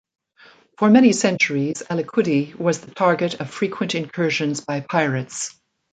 For many centuries, Alicudi was the target of frequent incursions by pirates.